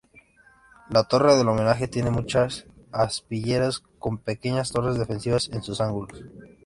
La torre del homenaje tiene muchas aspilleras, con pequeñas torres defensivas en sus ángulos.